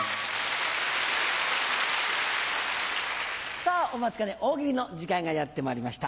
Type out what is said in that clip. さぁお待ちかね大喜利の時間がやってまいりました。